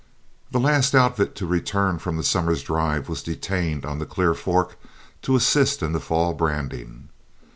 The last outfit to return from the summer's drive was detained on the Clear Fork to assist in the fall branding.